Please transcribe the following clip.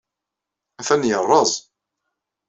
Atan yerreẓ.